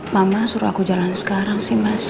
mama suruh aku jalan sekarang sih mas